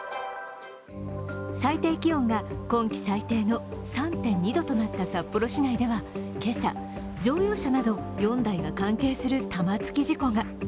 最低気温が今季最低の３．２度となった札幌市内では今朝、乗用車など４台が関係する玉突き事故が。